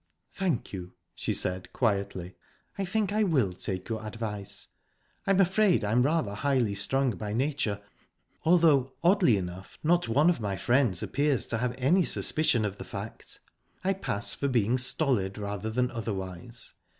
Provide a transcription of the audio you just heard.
"Thank you," she said quietly. "I think I will take your advice. I'm afraid I'm rather highly strung by nature, although, oddly enough, not one of my friends appears to have any suspicion of the fact. I pass for being stolid, rather than otherwise.